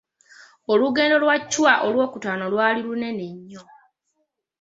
Olugendo lwa Chwa olw'okutaano lwali lunene nnyo.